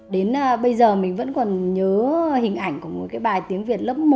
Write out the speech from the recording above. đến bây giờ mình vẫn còn nhớ hình ảnh của một cái bài tiếng việt lớp một